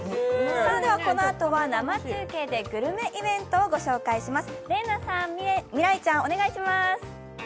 このあとは生中継でグルメイベントの紹介です